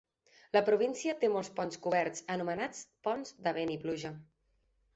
La província té molts ponts coberts, anomenats "ponts de vent i pluja".